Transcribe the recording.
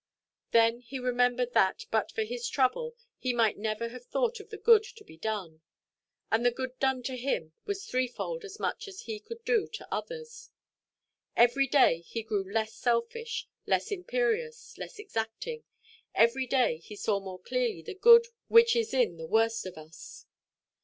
Then he remembered that, but for his trouble, he might never have thought of the good to be done. And the good done to him was threefold as much as he could do to others. Every day he grew less selfish, less imperious, less exacting; every day he saw more clearly the good which is in the worst of us.